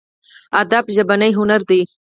ادب ژبنی هنر دی.